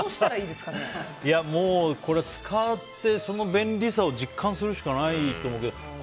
もう使って、その便利さを実感するしかないと思うけど。